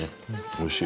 おいしい